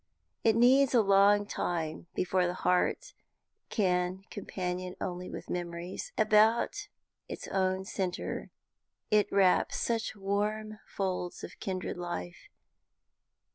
It needs a long time before the heart can companion only with memories. About its own centre it wraps such warm folds of kindred life.